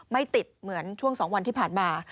ไม่ติดเหมือนช่วง๒วันที่ผ่านมา